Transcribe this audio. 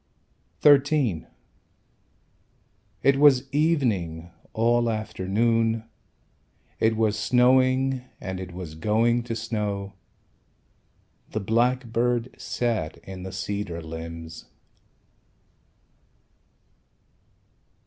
XIII It was evening all afternoon. It was snowing And it was going to snow. The blackbird sat In the cedar limbs.